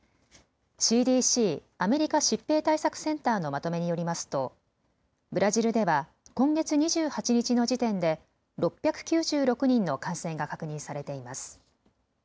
ＣＤＣ・アメリカ疾病対策センターのまとめによりますと、ブラジルでは今月２８日の時点で６９６人の感染が確認されています。